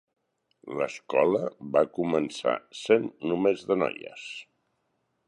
L'escola va començar sent només de noies.